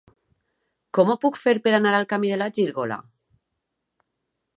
Com ho puc fer per anar al camí de la Gírgola?